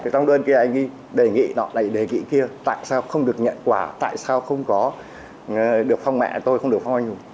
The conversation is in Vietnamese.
trong đơn kia anh ấy đề nghị nọ này đề nghị kia tại sao không được nhận quà tại sao không có được phong mẹ tôi không được phong anh hùng